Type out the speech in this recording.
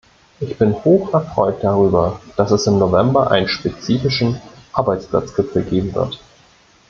Ich bin hoch erfreut darüber, dass es im November einen spezifischen Arbeitsplatzgipfel geben wird.